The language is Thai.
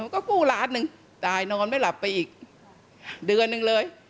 ก็กู้ล้านหนึ่งตายนอนไม่หลับไปอีกเดือนหนึ่งเลย